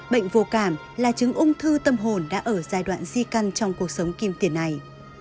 bệnh vô cảm là chứng ung thư tâm hồn đã ở giai đoạn di căn trong cuộc sống kim tiền này